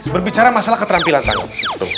berbicara masalah keterampilan tangan